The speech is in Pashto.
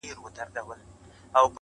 د گل خندا